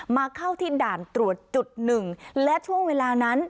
มาเข้าที่ด่านตรวจจุดหนึ่งและช่วงเวลานั้น